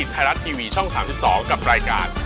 ไทยรัฐทีวีช่อง๓๒กับรายการ